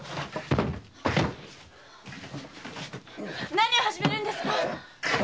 何を始めるんですか！